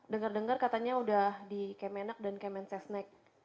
dengar dengar katanya udah di kemenak dan kemen sesnek